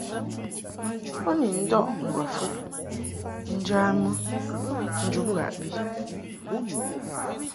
Bo ni ndɔʼ ŋgwafɨd njamɨ njub ghaʼbi.